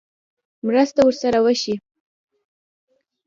مرسته ورسره وشي.